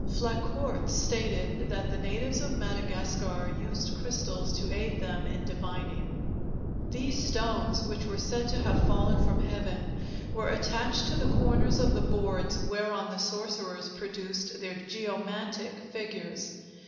Flacourt stated that the natives of Madagascar used crystals to aid them in divining. These stones, which were said to have fallen from heaven, were attached to the corners of the boards whereon the sorcerers produced their geomantic figures.